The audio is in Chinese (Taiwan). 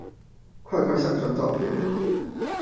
快快上傳照片